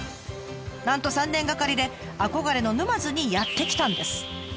なんと３年がかりで憧れの沼津にやって来たんです。